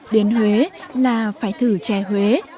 đến huế là phải thử chè huế